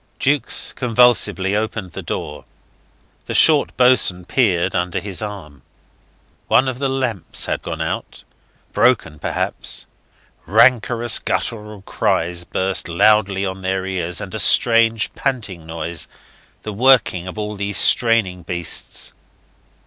Jukes convulsively opened the door. The short boatswain peered under his arm. One of the lamps had gone out, broken perhaps. Rancorous, guttural cries burst out loudly on their ears, and a strange panting sound, the working of all these straining breasts.